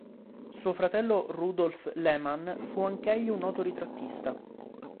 Suo fratello Rudolf Lehmann fu anch'egli un noto ritrattista.